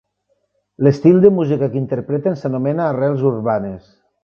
L'estil de música que interpreten s'anomena arrels urbanes.